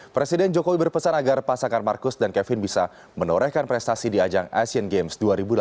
presiden jokowi berpesan agar pasangan marcus dan kevin bisa menorehkan prestasi di ajang asian games dua ribu delapan belas